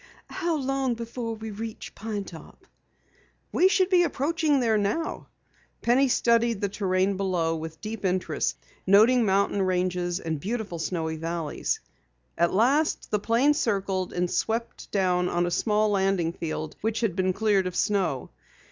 "How long before we reach Pine Top?" "We should be approaching there now." Penny studied the terrain below with deep interest, noting mountain ranges and beautiful snowy valleys. At last the plane circled and swept down on a small landing field which had been cleared of snow.